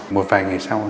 một vài ngày sau